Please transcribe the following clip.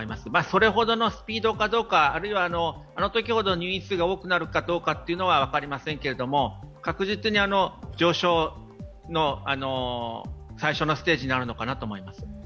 それほどのスピードかどうか、あのときほど入院数が多くなるかどうかは分かりませんけれども、確実に上昇の最初のステージにあるのかなと思います。